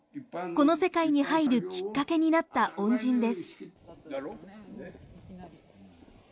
この世界に入るきっかけになった恩人です。